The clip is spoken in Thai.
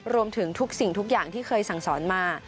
รวมถึงทุกสิ่งทุกอย่างที่เคยสั่งสอนมา